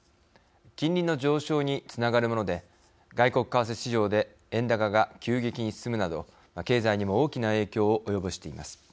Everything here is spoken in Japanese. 金利の上昇につながるもので外国為替市場で円高が急激に進むなど経済にも大きな影響を及ぼしています。